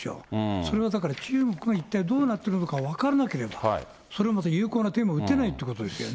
それはだから、中国が一体どうなってるのか分からなければ、それまた有効な手も打てないということですよね。